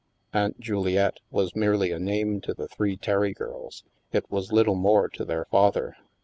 " Aunt Juliette " was merely a name to the three Terry girls ; it was little more to their father.